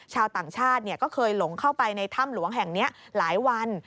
ชาวต่างชาติก็เคยหลงเข้าไปในถ้ำหลวงแห่งนี้หลายวัน